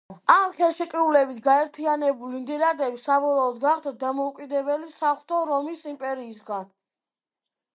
ამ ხელშეკრულებით გაერთიანებული ნიდერლანდები საბოლოოდ გახდა დამოუკიდებელი საღვთო რომის იმპერიისგან.